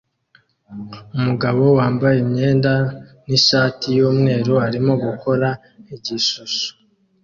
Umugabo wambaye imyenda nishati yumweru arimo gukora igishusho